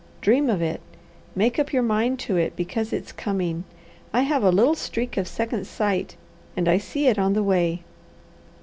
Dream of it, make up your mind to it, because it's coming. I have a little streak of second sight, and I see it on the way."